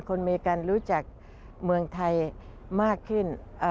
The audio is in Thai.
อเมริกันรู้จักเมืองไทยมากขึ้น